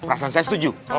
perasaan saya setuju